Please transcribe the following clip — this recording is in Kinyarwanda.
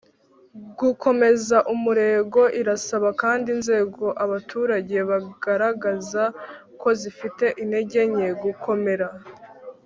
gukomeza umurego Irasaba kandi inzego abaturage bagaragaza ko zifite intege nke gukomera